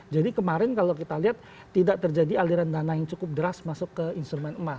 jadi kemarin kalau kita lihat tidak terjadi aliran dana yang cukup deras masuk ke instrumen emas